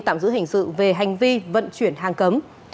tạm giữ hình sự về hành vi vận chuyển hàng cấm